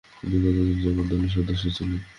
তিনি কতদিন যাবৎ দলের সদস্য ছিলেন।